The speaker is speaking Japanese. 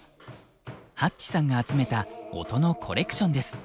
Ｈａｔｃｈさんが集めた音のコレクションです。